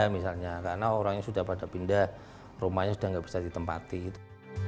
misalnya karena orangnya sudah pada pindah rumahnya sudah nggak bisa ditempati gitu